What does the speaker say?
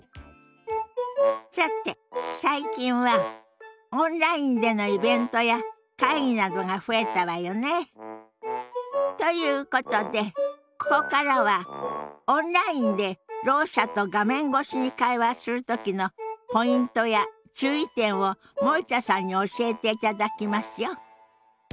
さて最近はオンラインでのイベントや会議などが増えたわよね。ということでここからはオンラインでろう者と画面越しに会話する時のポイントや注意点を森田さんに教えていただきますよ。